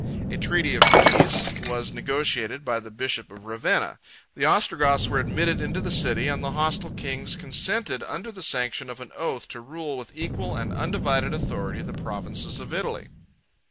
A treaty of peace was negotiated by the bishop of Ravenna; the Ostrogoths were admitted into the city, and the hostile kings consented, under the sanction of an oath, to rule with equal and undivided authority the provinces of Italy.